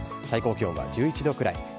最高気温は１１度ぐらい。